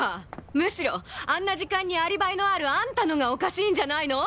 むしろあんな時間にアリバイのあるアンタのがおかしいんじゃないの？